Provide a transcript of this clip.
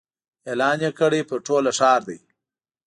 اعلان یې کړی پر ټوله ښار دی